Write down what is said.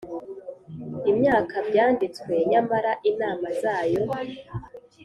imyaka byanditswe Nyamara inama zayo